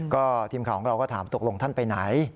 ก็ทีมข่าวของเราก็ถามตกลงท่านไปไหน